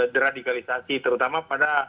deradikalisasi terutama pada